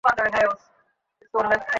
বেশ, হ্যাঁ, আমি এখানে সাহায্যের জন্য এসেছি।